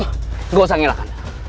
gak usah ngilangkan